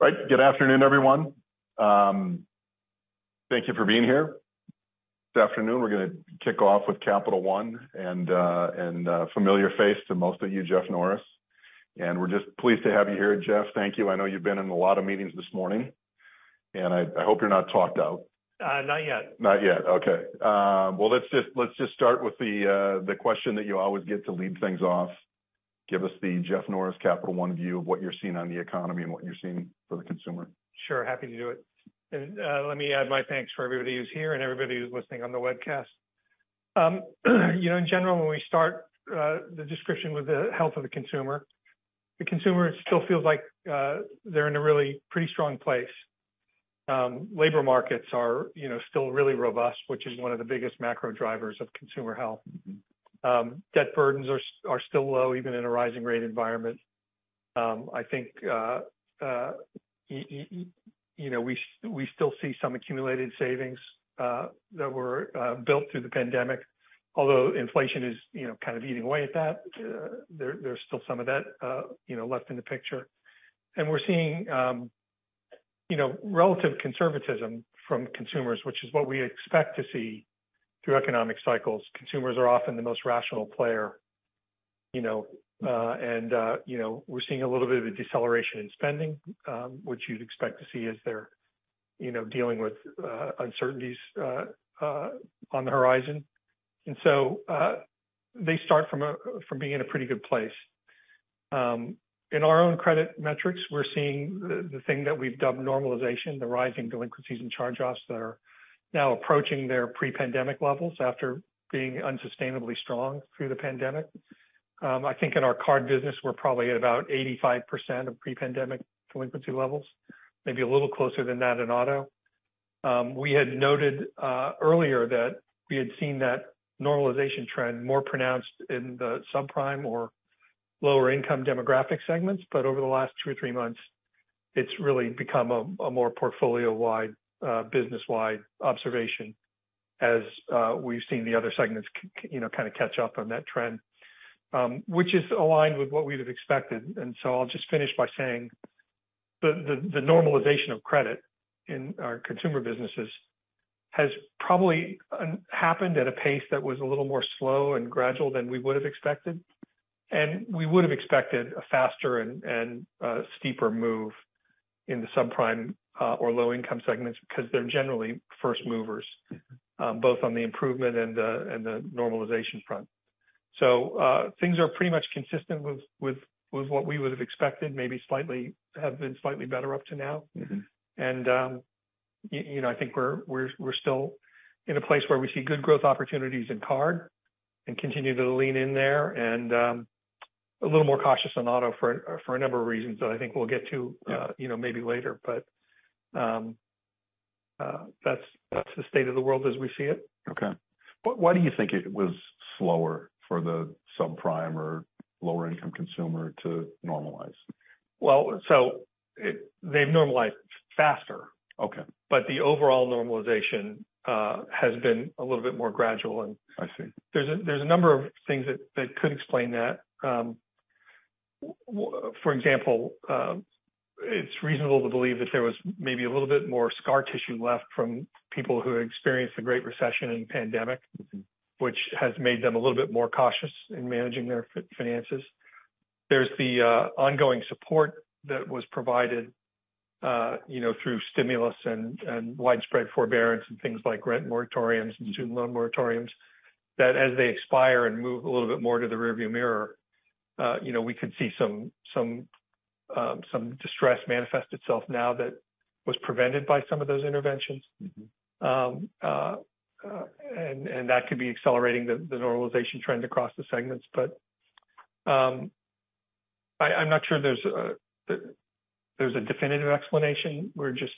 Right. Good afternoon, everyone. Thank you for being here. This afternoon, we're gonna kick off with Capital One and a familiar face to most of you, Jeff Norris. We're just pleased to have you here, Jeff. Thank you. I know you've been in a lot of meetings this morning, and I hope you're not talked out. Not yet. Not yet. Okay. Well, let's just start with the question that you always get to lead things off. Give us the Jeff Norris Capital One view of what you're seeing on the economy and what you're seeing for the consumer. Sure. Happy to do it. Let me add my thanks for everybody who's here and everybody who's listening on the webcast. You know, in general, when we start the description with the health of the consumer, the consumer still feels like they're in a really pretty strong place. Labor markets are, you know, still really robust, which is one of the biggest macro drivers of consumer health. Debt burdens are still low, even in a rising rate environment. I think, you know, we still see some accumulated savings that were built through the pandemic. Although inflation is, you know, kind of eating away at that. There's still some of that, you know, left in the picture. We're seeing, you know, relative conservatism from consumers, which is what we expect to see through economic cycles. Consumers are often the most rational player, you know. You know, we're seeing a little bit of a deceleration in spending, which you'd expect to see as they're, you know, dealing with uncertainties on the horizon. They start from being in a pretty good place. In our own credit metrics, we're seeing the thing that we've dubbed normalization, the rising delinquencies and charge-offs that are now approaching their pre-pandemic levels after being unsustainably strong through the pandemic. I think in our card business, we're probably at about 85% of pre-pandemic delinquency levels, maybe a little closer than that in auto. We had noted earlier that we had seen that normalization trend more pronounced in the subprime or lower income demographic segments, but over the last two or three months, it's really become a more portfolio-wide, business-wide observation as we've seen the other segments you know, kind of catch up on that trend. Which is aligned with what we would have expected. I'll just finish by saying the normalization of credit in our consumer businesses has probably happened at a pace that was a little more slow and gradual than we would have expected. We would have expected a faster and steeper move in the subprime or low income segments because they're generally first movers. Mm-hmm Both on the improvement and the normalization front. Things are pretty much consistent with what we would have expected, maybe have been slightly better up to now. Mm-hmm. You know, I think we're still in a place where we see good growth opportunities in card and continue to lean in there. A little more cautious on auto for a number of reasons that I think we'll get to. Yeah You know, maybe later. That's the state of the world as we see it. Okay. Why do you think it was slower for the subprime or lower income consumer to normalize? Well, they've normalized faster. Okay. The overall normalization has been a little bit more gradual. I see. There's a number of things that could explain that. For example, it's reasonable to believe that there was maybe a little bit more scar tissue left from people who had experienced the Great Recession and pandemic. Mm-hmm. Which has made them a little bit more cautious in managing their finances. There's the ongoing support that was provided, you know, through stimulus and widespread forbearance and things like rent moratoriums. Mm-hmm. ...and student loan moratoriums, that as they expire and move a little bit more to the rearview mirror, you know, we could see some distress manifest itself now that was prevented by some of those interventions. That could be accelerating the normalization trend across the segments. I'm not sure there's a definitive explanation. We're just.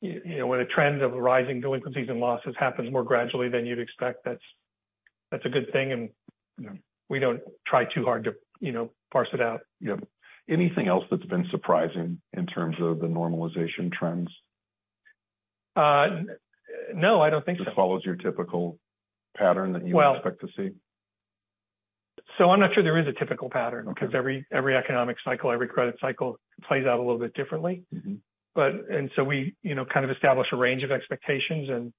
You know, when a trend of rising delinquencies and losses happens more gradually than you'd expect, that's a good thing, and. Yeah. ...we don't try too hard to, you know, parse it out. Yeah. Anything else that's been surprising in terms of the normalization trends? No, I don't think so. Just follows your typical pattern that you would expect to see? Well, I'm not sure there is a typical pattern. Okay. Every economic cycle, every credit cycle plays out a little bit differently. Mm-hmm. We, you know, kind of establish a range of expectations.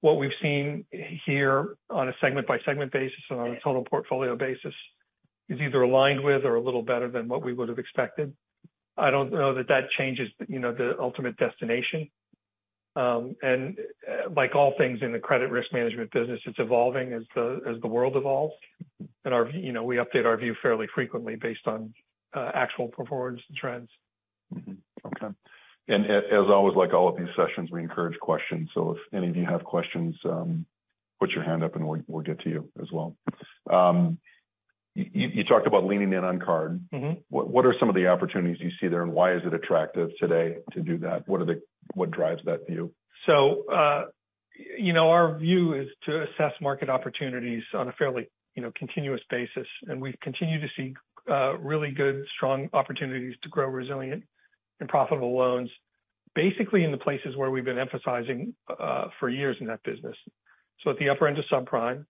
What we've seen here on a segment by segment basis and on a total portfolio basis is either aligned with or a little better than what we would have expected. I don't know that that changes, you know, the ultimate destination. Like all things in the credit risk management business, it's evolving as the world evolves. Our, you know, we update our view fairly frequently based on actual performance and trends. Okay. As always, like all of these sessions, we encourage questions. If any of you have questions, put your hand up and we'll get to you as well. You talked about leaning in on card. Mm-hmm. What are some of the opportunities you see there, and why is it attractive today to do that? What drives that view? You know, our view is to assess market opportunities on a fairly, you know, continuous basis, and we continue to see really good, strong opportunities to grow resilient and profitable loans. Basically in the places where we've been emphasizing for years in that business. At the upper end of subprime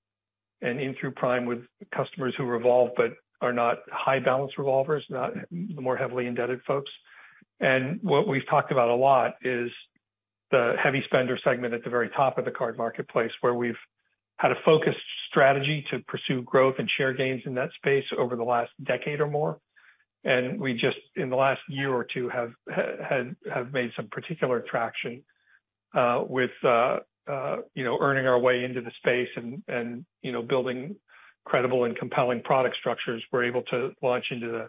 and in through prime with customers who revolve but are not high balance revolvers, not the more heavily indebted folks. What we've talked about a lot is the heavy spender segment at the very top of the card marketplace, where we've had a focused strategy to pursue growth and share gains in that space over the last decade or more. We just, in the last year or two, have made some particular traction, with, you know, earning our way into the space and, you know, building credible and compelling product structures. We're able to launch into the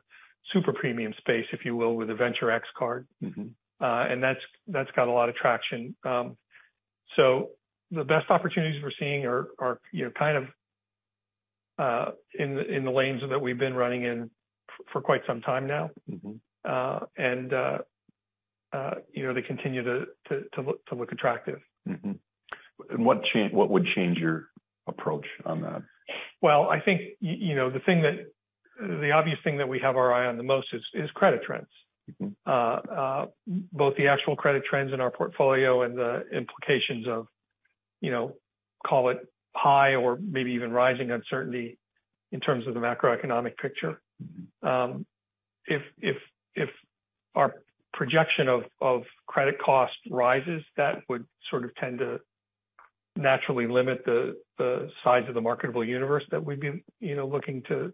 super premium space, if you will, with a Venture X card. Mm-hmm. That's got a lot of traction. The best opportunities we're seeing are, you know, kind of in the lanes that we've been running in for quite some time now. Mm-hmm. You know, they continue to look attractive. What would change your approach on that? Well, I think, you know, the obvious thing that we have our eye on the most is credit trends. Mm-hmm. both the actual credit trends in our portfolio and the implications of, you know, call it high or maybe even rising uncertainty in terms of the macroeconomic picture. Mm-hmm. If our projection of credit cost rises, that would sort of tend to naturally limit the size of the marketable universe that we'd be, you know, looking to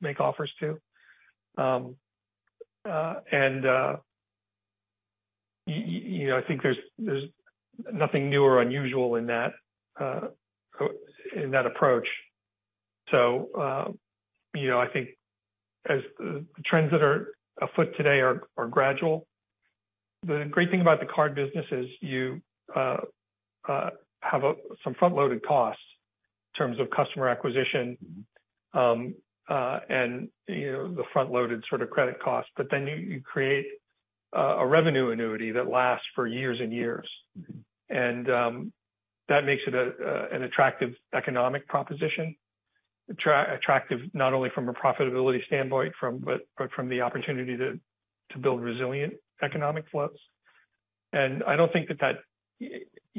make offers to. You know, I think there's nothing new or unusual in that approach. You know, I think as the trends that are afoot today are gradual. The great thing about the card business is you have some front-loaded costs in terms of customer acquisition- Mm-hmm.... and, you know, the front-loaded sort of credit cost. You, you create a revenue annuity that lasts for years and years. Mm-hmm. That makes it an attractive economic proposition. Attractive not only from a profitability standpoint but from the opportunity to build resilient economic flows. I don't think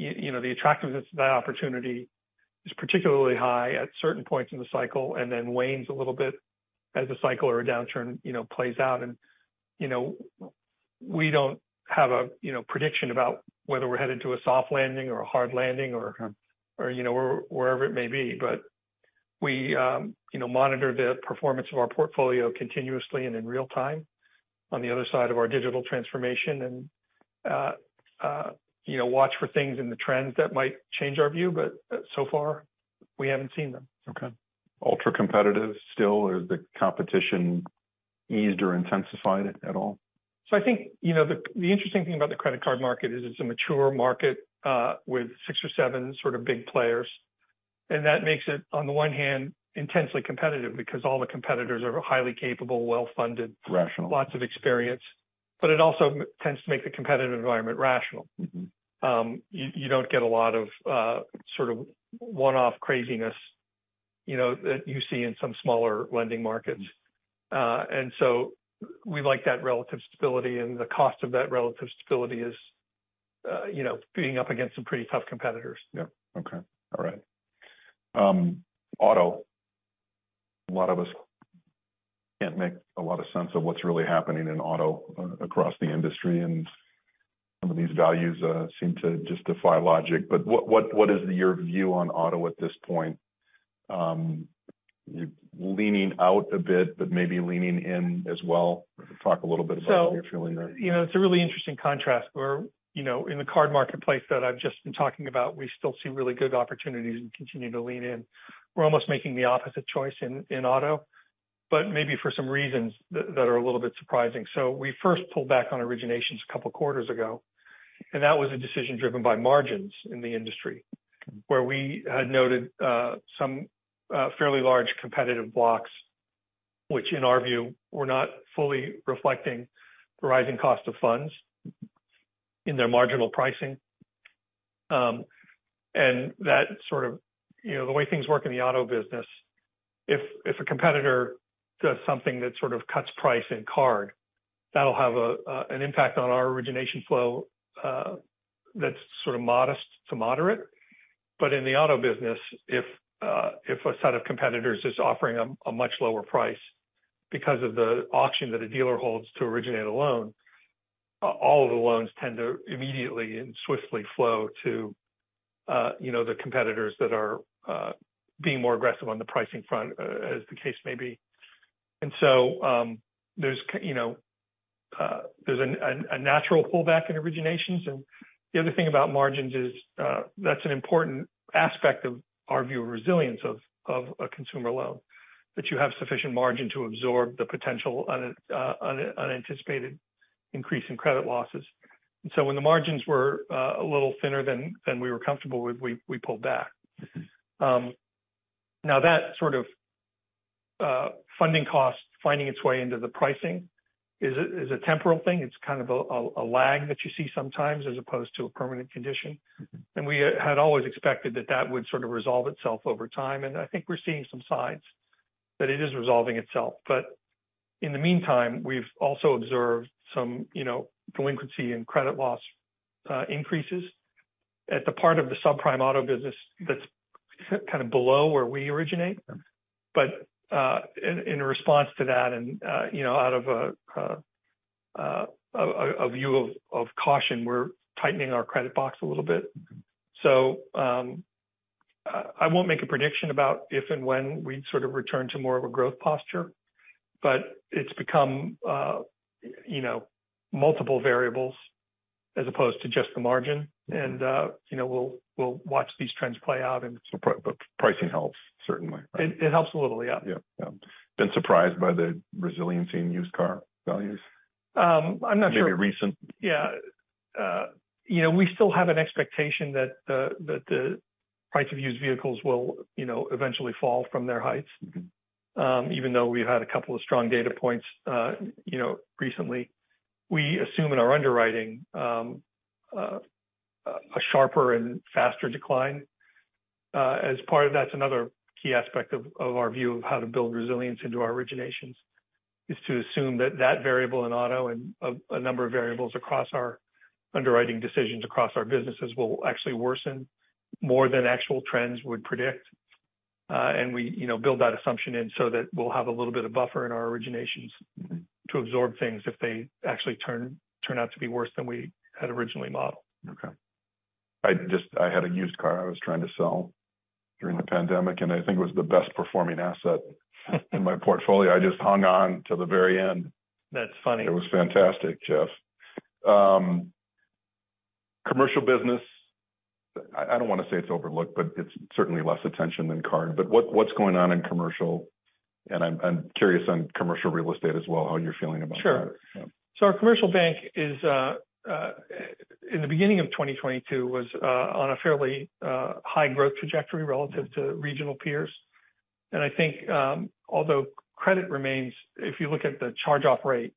you know, the attractiveness of that opportunity is particularly high at certain points in the cycle and then wanes a little bit as a cycle or a downturn, you know, plays out. You know, we don't have a, you know, prediction about whether we're headed to a soft landing or a hard landing. Uh-huh.... or, you know, wherever it may be. We, you know, monitor the performance of our portfolio continuously and in real time on the other side of our digital transformation and, you know, watch for things in the trends that might change our view. So far, we haven't seen them. Okay. Ultra-competitive still? Or has the competition eased or intensified at all? I think, you know, the interesting thing about the credit card market is it's a mature market, with six or seven sort of big players. That makes it, on the one hand, intensely competitive because all the competitors are highly capable, well-funded-. Rational... lots of experience. It also tends to make the competitive environment rational. Mm-hmm. You don't get a lot of, sort of one-off craziness, you know, that you see in some smaller lending markets. We like that relative stability, and the cost of that relative stability is, you know, being up against some pretty tough competitors. Yeah. Okay. All right. Auto. A lot of us can't make a lot of sense of what's really happening in auto across the industry, some of these values seem to just defy logic. What is your view on auto at this point? You're leaning out a bit, but maybe leaning in as well. Talk a little bit about how you're feeling there. you know, it's a really interesting contrast where, you know, in the card marketplace that I've just been talking about, we still see really good opportunities and continue to lean in. We're almost making the opposite choice in auto, but maybe for some reasons that are a little bit surprising. We first pulled back on originations a couple quarters ago, and that was a decision driven by margins in the industry. Mm-hmm. Where we had noted, some, fairly large competitive blocks, which in our view, were not fully reflecting the rising cost of funds- Mm-hmm... in their marginal pricing. That sort of... You know, the way things work in the auto business, if a competitor does something that sort of cuts price in card, that'll have an impact on our origination flow, that's sort of modest to moderate. In the auto business, if a set of competitors is offering a much lower price because of the auction that a dealer holds to originate a loan, all of the loans tend to immediately and swiftly flow to, you know, the competitors that are being more aggressive on the pricing front, as the case may be. there's you know, there's a natural pullback in originations. The other thing about margins is, that's an important aspect of our view of resilience of a consumer loan, that you have sufficient margin to absorb the potential unanticipated increase in credit losses. When the margins were a little thinner than we were comfortable with, we pulled back. Mm-hmm. Now that sort of funding cost finding its way into the pricing is a temporal thing. It's kind of a lag that you see sometimes as opposed to a permanent condition. Mm-hmm. We had always expected that that would sort of resolve itself over time. I think we're seeing some signs, that it is resolving itself. In the meantime, we've also observed some, you know, delinquency and credit loss increases at the part of the subprime auto business that's kind of below where we originate. Mm-hmm. in response to that and, you know, out of a view of caution, we're tightening our credit box a little bit. I won't make a prediction about if and when we'd sort of return to more of a growth posture, but it's become, you know, multiple variables as opposed to just the margin. Mm-hmm. You know, we'll watch these trends play out. But pricing helps certainly, right? It helps a little, yeah. Yeah. Yeah. Been surprised by the resiliency in used car values? I'm not sure. Maybe recent. Yeah. You know, we still have an expectation that the price of used vehicles will, you know, eventually fall from their heights. Mm-hmm. Even though we've had a couple of strong data points, you know, recently. We assume in our underwriting, a sharper and faster decline. As part of that's another key aspect of our view of how to build resilience into our originations, is to assume that variable in auto and a number of variables across our underwriting decisions across our businesses will actually worsen more than actual trends would predict. We, you know, build that assumption in so that we'll have a little bit of buffer in our originations. Mm-hmm... to absorb things if they actually turn out to be worse than we had originally modeled. Okay. I just had a used car I was trying to sell during the pandemic, and I think it was the best performing asset in my portfolio. I just hung on to the very end. That's funny. It was fantastic, Jeff. Commercial business. I don't wanna say it's overlooked, but it's certainly less attention than card. What's going on in commercial? I'm curious on commercial real estate as well, how you're feeling about that. Sure. Yeah. Our commercial bank is in the beginning of 2022 was on a fairly high growth trajectory relative to regional peers. I think, although credit remains, if you look at the charge-off rate,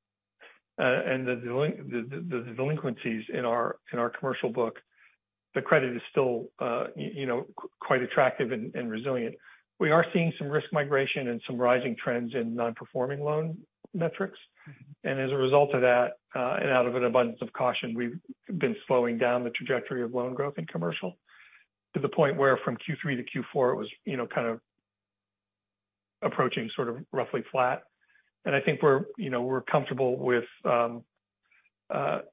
and the delinquencies in our, in our commercial book, the credit is still you know, quite attractive and resilient. We are seeing some risk migration and some rising trends in non-performing loan metrics. Mm-hmm. As a result of that, and out of an abundance of caution, we've been slowing down the trajectory of loan growth in commercial to the point where from Q3 to Q4 it was, you know, kind of approaching sort of roughly flat. I think we're, you know, we're comfortable with our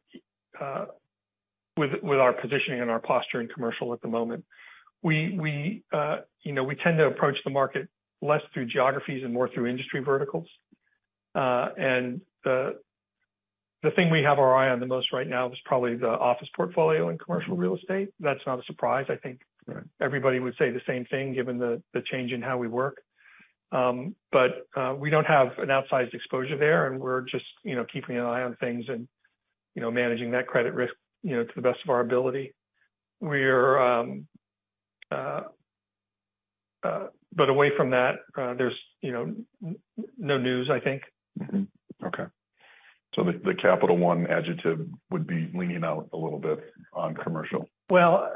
positioning and our posture in commercial at the moment. We, you know, we tend to approach the market less through geographies and more through industry verticals. The thing we have our eye on the most right now is probably the office portfolio in commercial real estate. That's not a surprise. Right... everybody would say the same thing given the change in how we work. We don't have an outsized exposure there, and we're just, you know, keeping an eye on things and, you know, managing that credit risk, you know, to the best of our ability. We're. Away from that, there's, you know, no news, I think. Okay. The Capital One adjective would be leaning out a little bit on commercial. Well,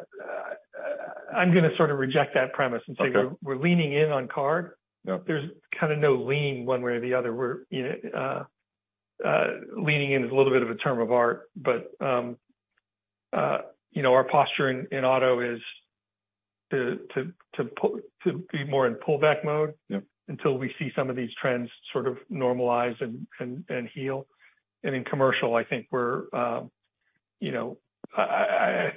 I'm gonna sort of reject that premise. Okay Say we're leaning in on card. Yep. There's kinda no lean one way or the other. We're, you know, leaning in is a little bit of a term of art, but, you know, our posture in auto is to be more in pullback mode. Yep ... until we see some of these trends sort of normalize and heal. In commercial, I think we're, you know. I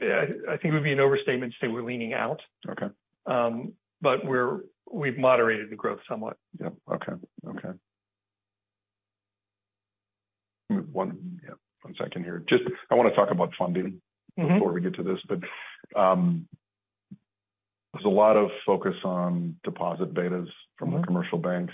think it would be an overstatement to say we're leaning out. Okay. We've moderated the growth somewhat. Yeah. Okay. Okay. Yeah, one second here. Just I wanna talk about funding- Mm-hmm... before we get to this. There's a lot of focus on deposit betas. Mm-hmm... the commercial banks.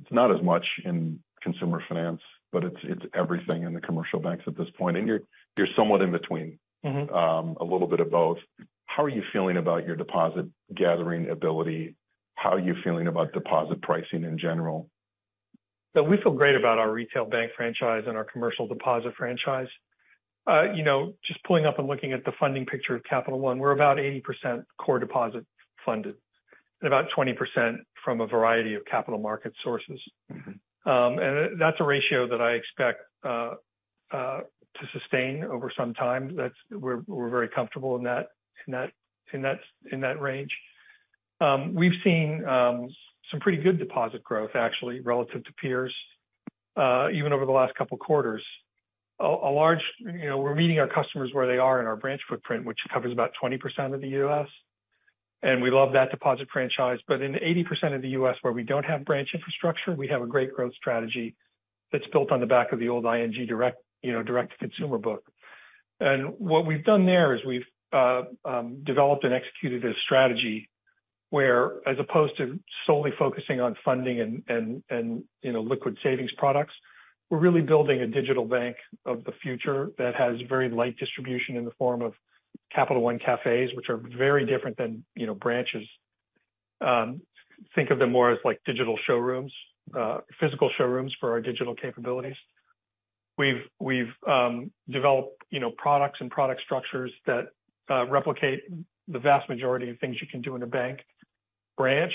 It's not as much in consumer finance, but it's everything in the commercial banks at this point. You're, you're somewhat in between. Mm-hmm. A little bit of both. How are you feeling about your deposit gathering ability? How are you feeling about deposit pricing in general? We feel great about our retail bank franchise and our commercial deposit franchise. you know, just pulling up and looking at the funding picture of Capital One, we're about 80% core deposit funded and about 20% from a variety of capital market sources. Mm-hmm. That's a ratio that I expect to sustain over some time. We're very comfortable in that range. We've seen some pretty good deposit growth actually, relative to peers, even over the last couple quarters. You know, we're meeting our customers where they are in our branch footprint, which covers about 20% of the U.S., and we love that deposit franchise. In 80% of the U.S. where we don't have branch infrastructure, we have a great growth strategy that's built on the back of the old ING Direct, you know, direct-to-consumer book. What we've done there is we've developed and executed a strategy where as opposed to solely focusing on funding and, you know, liquid savings products, we're really building a digital bank of the future that has very light distribution in the form of Capital One Cafés, which are very different than, you know, branches. Think of them more as like digital showrooms, physical showrooms for our digital capabilities. We've developed, you know, products and product structures that replicate the vast majority of things you can do in a bank branch.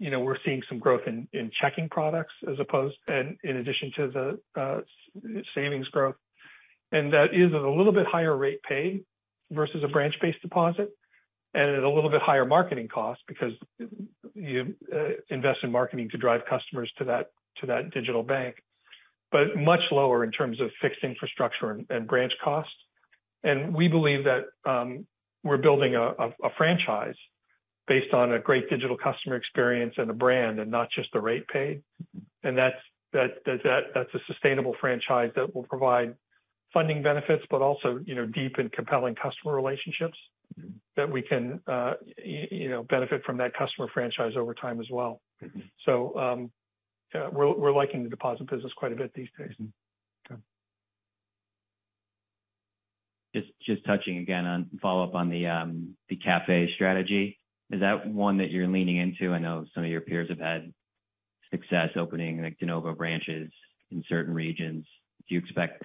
You know, we're seeing some growth in checking products in addition to the savings growth. That is at a little bit higher rate pay versus a branch-based deposit and at a little bit higher marketing cost because you invest in marketing to drive customers to that digital bank. Much lower in terms of fixed infrastructure and branch costs. We believe that, we're building a franchise based on a great digital customer experience and a brand and not just the rate paid. That's a sustainable franchise that will provide funding benefits, but also, you know, deep and compelling customer relationships. Mm-hmm. that we can, you know, benefit from that customer franchise over time as well. Mm-hmm. We're liking the deposit business quite a bit these days. Okay. Just touching again on follow-up on the Cafe strategy. Is that one that you're leaning into? I know some of your peers have had success opening, like, de novo branches in certain regions. Do you expect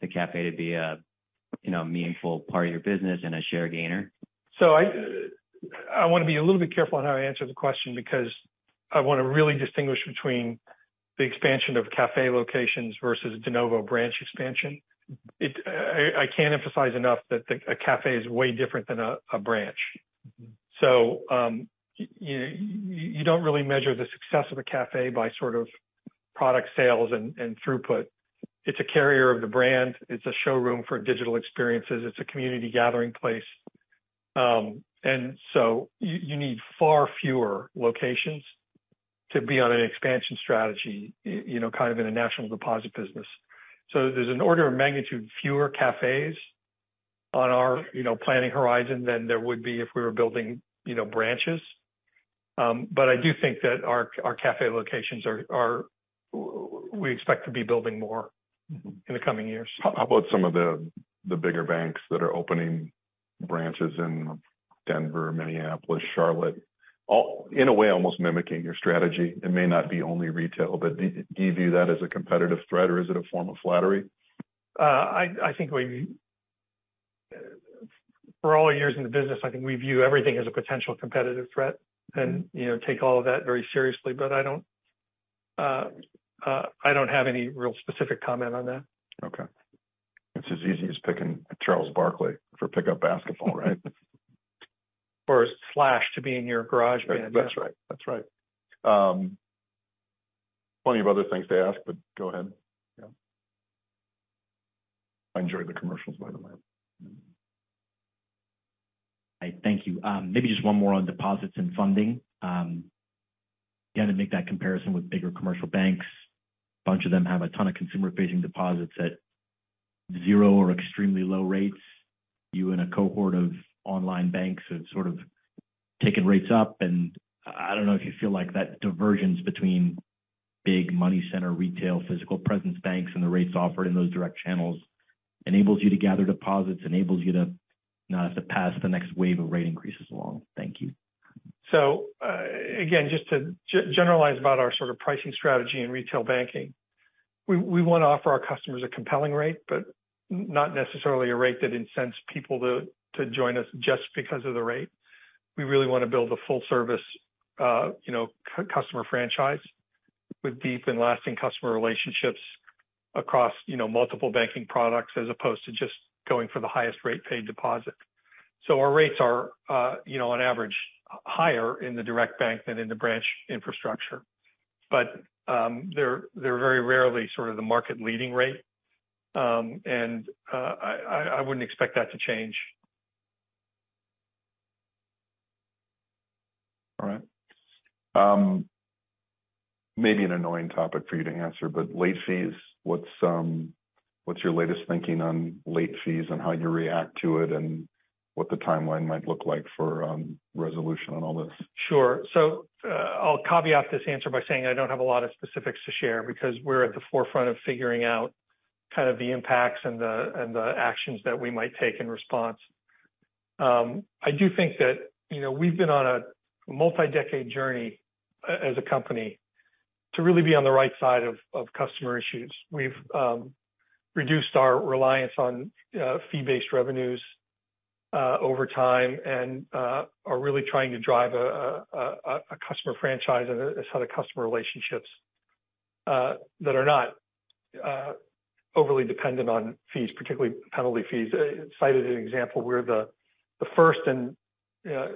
the Cafe to be a, you know, meaningful part of your business and a share gainer? I wanna be a little bit careful on how I answer the question because I wanna really distinguish between the expansion of Café locations versus de novo branch expansion. I can't emphasize enough that a Café is way different than a branch. Mm-hmm. You don't really measure the success of a Café by sort of product sales and throughput. It's a carrier of the brand. It's a showroom for digital experiences. It's a community gathering place. You need far fewer locations to be on an expansion strategy, you know, kind of in a national deposit business. There's an order of magnitude fewer Cafés on our, you know, planning horizon than there would be if we were building, you know, branches. I do think that our Café locations are. We expect to be building more. Mm-hmm. in the coming years How about some of the bigger banks that are opening branches in Denver, Minneapolis, Charlotte, all in a way almost mimicking your strategy? It may not be only retail, but do you view that as a competitive threat or is it a form of flattery? I think we for all our years in the business, I think we view everything as a potential competitive threat. Mm-hmm. You know, take all of that very seriously. I don't, I don't have any real specific comment on that. Okay. It's as easy as picking Charles Barkley for pickup basketball, right? Slash to be in your garage band. That's right. That's right. Plenty of other things to ask, but go ahead. Yeah. I enjoyed the commercials, by the way. I thank you. maybe just one more on deposits and funding. again, to make that comparison with bigger commercial banks. A bunch of them have a ton of consumer-facing deposits at 0 or extremely low rates. You and a cohort of online banks have sort of taken rates up. I don't know if you feel like that divergence between big money center retail, physical presence banks, and the rates offered in those direct channels enables you to gather deposits, enables you to not have to pass the next wave of rate increases along. Thank you. Again, just to generalize about our sort of pricing strategy in retail banking. We wanna offer our customers a compelling rate, but not necessarily a rate that incents people to join us just because of the rate. We really wanna build a full service, you know, customer franchise with deep and lasting customer relationships across, you know, multiple banking products as opposed to just going for the highest rate paid deposit. Our rates are, you know, on average higher in the direct bank than in the branch infrastructure. They're very rarely sort of the market leading rate. I wouldn't expect that to change. All right. maybe an annoying topic for you to answer, but late fees. What's your latest thinking on late fees and how you react to it and what the timeline might look like for resolution on all this? Sure. I'll caveat this answer by saying I don't have a lot of specifics to share because we're at the forefront of figuring out kind of the impacts and the actions that we might take in response. I do think that, you know, we've been on a multi-decade journey as a company to really be on the right side of customer issues. We've reduced our reliance on fee-based revenues over time and are really trying to drive a customer franchise and a set of customer relationships that are not overly dependent on fees, particularly penalty fees. Cited an example, we're the first and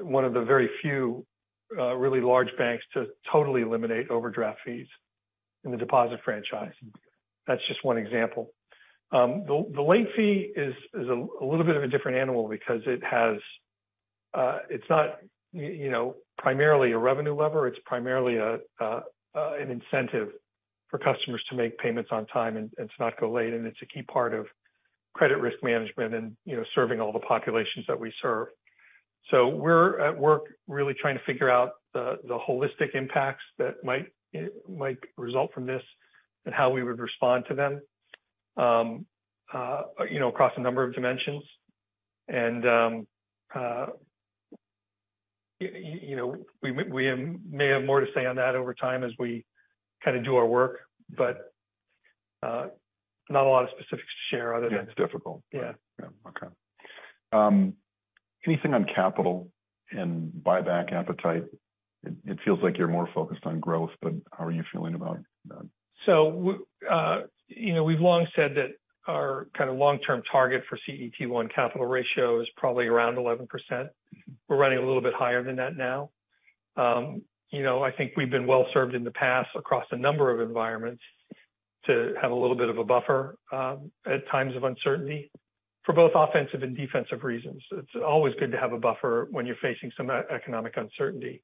one of the very few really large banks to totally eliminate overdraft fees in the deposit franchise. That's just one example. The late fee is a little bit of a different animal because it's not, you know, primarily a revenue lever. It's primarily an incentive for customers to make payments on time and to not go late. It's a key part of credit risk management and, you know, serving all the populations that we serve. We're at work really trying to figure out the holistic impacts that might result from this and how we would respond to them, you know, across a number of dimensions. You know, we may have more to say on that over time as we kind of do our work, but not a lot of specifics to share other than. Yeah, it's difficult. Yeah. Yeah. Okay. Anything on capital and buyback appetite? It feels like you're more focused on growth, but how are you feeling about that? you know, we've long said that our kind of long-term target for CET1 capital ratio is probably around 11%. We're running a little bit higher than that now. you know, I think we've been well served in the past across a number of environments to have a little bit of a buffer at times of uncertainty for both offensive and defensive reasons. It's always good to have a buffer when you're facing some economic uncertainty.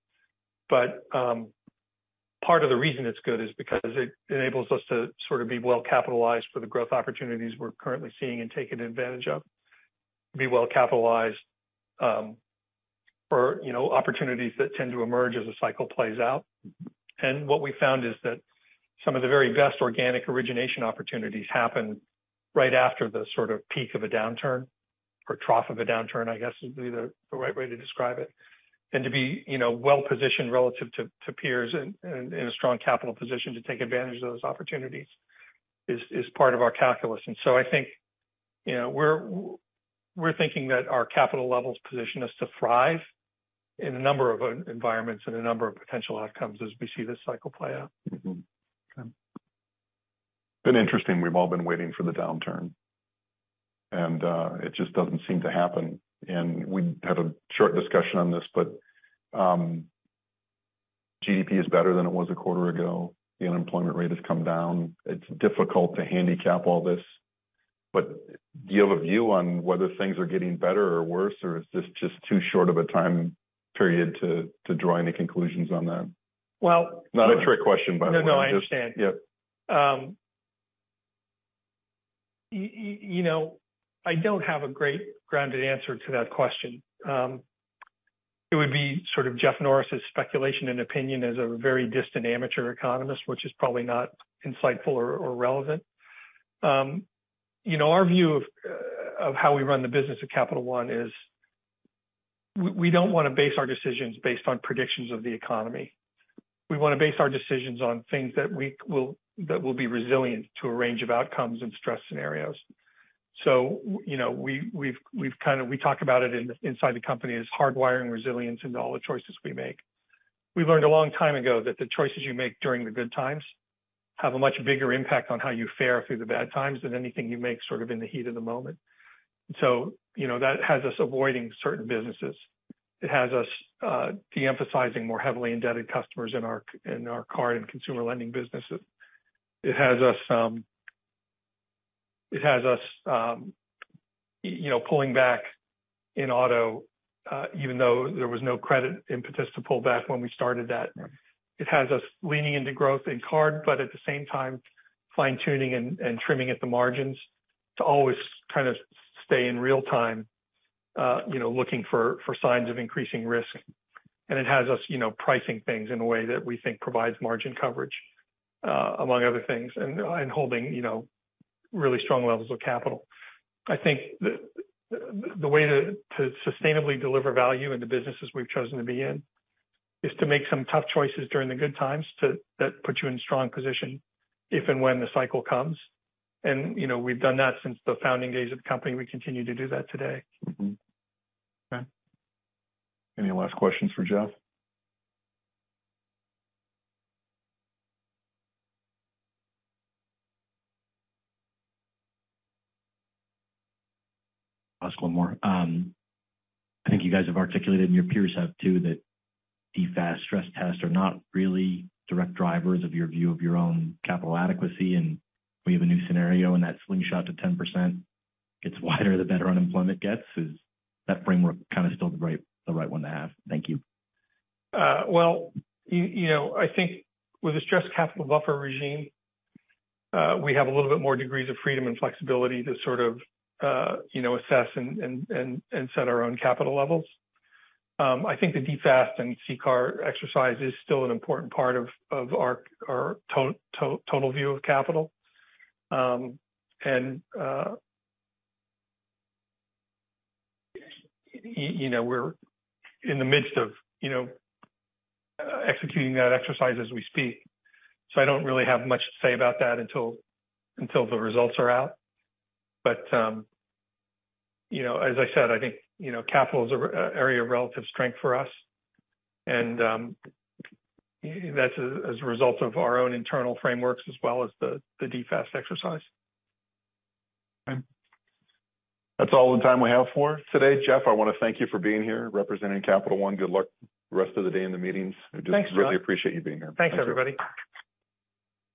part of the reason it's good is because it enables us to sort of be well-capitalized for the growth opportunities we're currently seeing and taking advantage of. Be well-capitalized for, you know, opportunities that tend to emerge as the cycle plays out. What we found is that some of the very best organic origination opportunities happen right after the sort of peak of a downturn or trough of a downturn, I guess, would be the right way to describe it. To be, you know, well-positioned relative to peers and in a strong capital position to take advantage of those opportunities is part of our calculus. I think, you know, we're thinking that our capital levels position us to thrive in a number of environments and a number of potential outcomes as we see this cycle play out. Okay. Been interesting we've all been waiting for the downturn and it just doesn't seem to happen. We had a short discussion on this, but GDP is better than it was a quarter ago. The unemployment rate has come down. It's difficult to handicap all this, but do you have a view on whether things are getting better or worse? Is this just too short of a time period to draw any conclusions on that? Well- Not a trick question, by the way. No, no, I understand. Yeah. You know, I don't have a great grounded answer to that question. It would be sort of Jeff Norris's speculation and opinion as a very distant amateur economist, which is probably not insightful or relevant. You know, our view of how we run the business at Capital One is we don't wanna base our decisions based on predictions of the economy. We wanna base our decisions on things that will be resilient to a range of outcomes and stress scenarios. You know, we've kind of... we talk about it inside the company as hardwiring resilience into all the choices we make. We learned a long time ago that the choices you make during the good times have a much bigger impact on how you fare through the bad times than anything you make sort of in the heat of the moment. You know, that has us avoiding certain businesses. It has us de-emphasizing more heavily indebted customers in our card and consumer lending businesses. It has us, you know, pulling back in auto, even though there was no credit impetus to pull back when we started that. It has us leaning into growth in card, but at the same time fine-tuning and trimming at the margins to always kind of stay in real time, you know, looking for signs of increasing risk. It has us, you know, pricing things in a way that we think provides margin coverage, among other things, and holding, you know, really strong levels of Capital. I think the way to sustainably deliver value in the businesses we've chosen to be in is to make some tough choices during the good times that put you in strong position if and when the cycle comes. You know, we've done that since the founding days of the company. We continue to do that today. Mm-hmm. Okay. Any last questions for Jeff? Ask one more. I think you guys have articulated, and your peers have too, that DFAST stress tests are not really direct drivers of your view of your own capital adequacy, and we have a new scenario, and that slingshot to 10% gets wider the better unemployment gets. Is that framework kind of still the right one to have? Thank you. Well, you know, I think with the stress capital buffer regime, we have a little bit more degrees of freedom and flexibility to sort of, you know, assess and set our own capital levels. I think the DFAST and CCAR exercise is still an important part of our total view of capital. You know, we're in the midst of, you know, executing that exercise as we speak, so I don't really have much to say about that until the results are out. You know, as I said, I think, you know, capital is an area of relative strength for us and, that's as a result of our own internal frameworks as well as the DFAST exercise. Okay. That's all the time we have for today. Jeff, I wanna thank you for being here representing Capital One. Good luck the rest of the day in the meetings. Thanks, Brian. I just really appreciate you being here. Thanks, everybody.